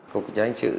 cục trang sự